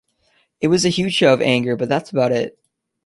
It was a huge show of anger but that's about it.